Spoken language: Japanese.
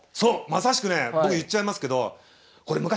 まさしくねえ僕言っちゃいますけど昔